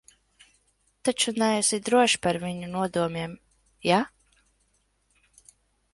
Taču neesi drošs par viņu nodomiem, jā?